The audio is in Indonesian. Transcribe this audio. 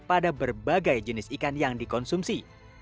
pada berbagai jenis ikan yang dikonsumsi